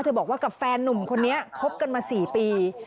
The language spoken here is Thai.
บอกว่ากับแฟนนุ่มคนนี้คบกันมา๔ปี